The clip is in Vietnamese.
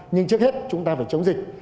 nhưng trước hết chúng ta phải chống dịch